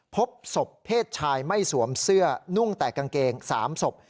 พบศพเพศชายไม่สวมเสื้อนุ่งแต่กางเกง๓ศพ